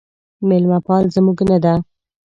میلمه پاله زموږ نه ده